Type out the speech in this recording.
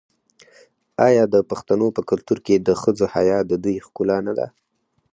آیا د پښتنو په کلتور کې د ښځو حیا د دوی ښکلا نه ده؟